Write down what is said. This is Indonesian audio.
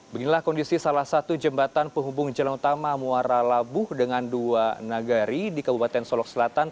beginilah kondisi salah satu jembatan penghubung jalan utama muara labuh dengan dua nagari di kabupaten solok selatan